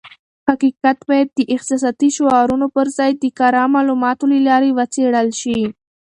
حقیقت بايد د احساساتي شعارونو پر ځای د کره معلوماتو له لارې وڅېړل شي.